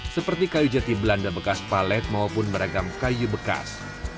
seperti kayu jati belanda bekas palet maupun beragam kayu bekas